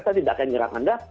saya tidak akan nyerang anda